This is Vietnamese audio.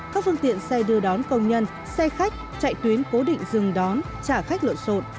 các phương tiện xe đưa đón công nhân xe khách chạy tuyến cố định dừng đón trả khách lộn xộn